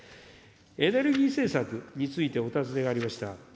エネルギー政策についてお尋ねがありました。